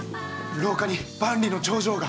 廊下に万里の長城が。